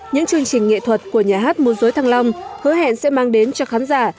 những chương trình nghệ thuật của nhà hát mô dối thăng long hứa hẹn sẽ mang đến cho khán giả